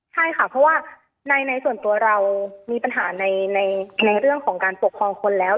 ใช่ค่ะเพราะว่าในส่วนตัวเรามีปัญหาในเรื่องของการปกครองคนแล้ว